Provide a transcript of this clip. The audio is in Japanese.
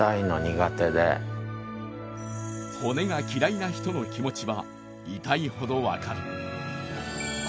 骨が嫌いな人の気持ちは痛いほどわかる。